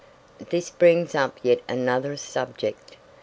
This brings up yet another subject.